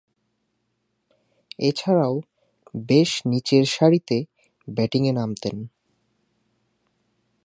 এছাড়াও, বেশ নিচেরসারিতে ব্যাটিংয়ে নামতেন।